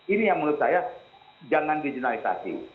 ini yang menurut saya jangan diginalisasi